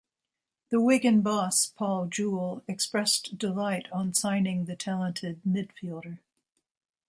The Wigan boss, Paul Jewell expressed delight on signing the talented midfielder.